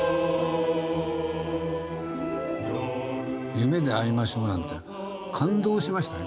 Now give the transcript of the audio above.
「夢であいましょう」なんて感動しましたね